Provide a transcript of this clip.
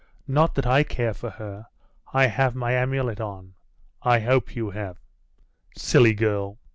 Not that I care for her; I have my amulet on. I hope you have?' 'Silly girl!